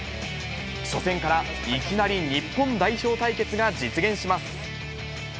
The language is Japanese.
初戦からいきなり日本代表対決が実現します。